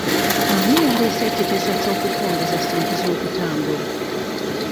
Ani yaleese ekiteeso okutwongeza ssente z'entambula?